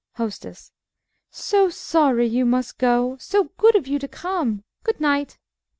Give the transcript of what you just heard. HOSTESS So sorry you must go. So good of you to come. Good night.